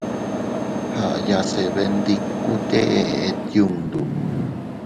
Aʼyase bendikute eʼet yundu.